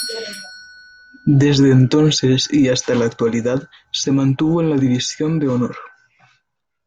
Desde entonces y hasta la actualidad se mantuvo en la División de Honor.